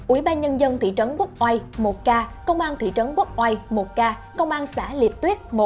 ủy ban nhân dân thị trấn quốc oai một ca công an thị trấn quốc oai một ca công an xã liệp tuyết